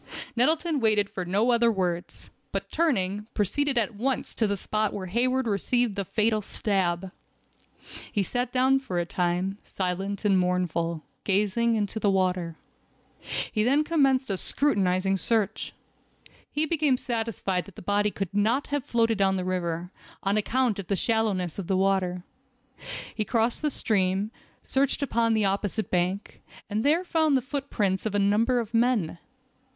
Nettleton waited for no other words, but turning, proceeded at once to the spot where Hayward received the fatal stab. He sat down for a time, silent and mournful, gazing into the water. He then commenced a scrutinizing search. He became satisfied that the body could not have floated down the river, on account of the shallowness of the water. He crossed the stream, searched upon the opposite bank, and there found the footprints of a number of men.